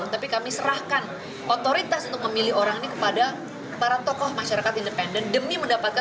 tapi kami serahkan otoritas untuk memilih orang ini